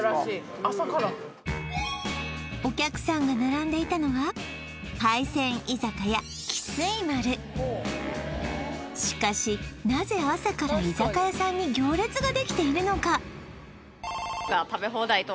朝からお客さんが海鮮居酒屋喜水丸しかしなぜ朝から居酒屋さんに行列ができているのか？